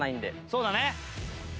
そうだね。